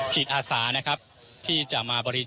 จิตอาสานะครับ